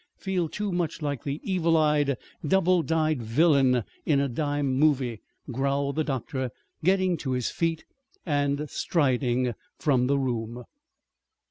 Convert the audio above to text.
Feel too much like the evil eyed, double dyed villain in a dime movie," growled the doctor, getting to his feet, and striding from the room.